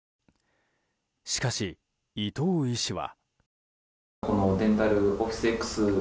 しかし、伊藤医師は。